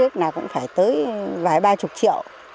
cây đào cũng phải tới vài ba chục triệu